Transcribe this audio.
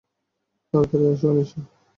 তাড়াতাড়ি আসো আনিশা।